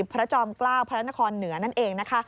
พระจอมเกล้าพระรัชนาคอลเหนือนั่นเอง